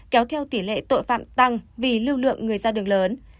kéo theo tỷ lệ tội phạm tăng vì lưu lượng người ra đường lớn